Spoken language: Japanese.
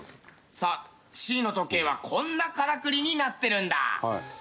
さあＣの時計はこんなからくりになってるんだ。